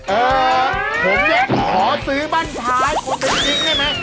เอ่อผมเนี่ยขอซื้อบ้านท้ายคนเป็นจริงได้ไหม